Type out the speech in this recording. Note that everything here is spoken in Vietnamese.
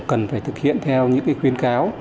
cần phải thực hiện theo những khuyến cáo